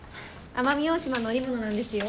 奄美大島の織物なんですよ。